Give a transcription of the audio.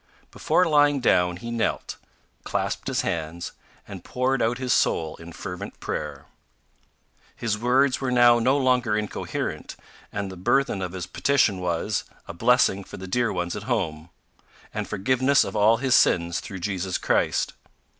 Before lying down he knelt, clasped his hands, and poured out his soul in fervent prayer. His words were now no longer incoherent and the burthen of his petition was a blessing on the dear ones at home, and forgiveness of all his sins through Jesus Christ.